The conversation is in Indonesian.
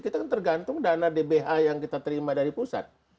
kita kan tergantung dana dbh yang kita terima dari pusat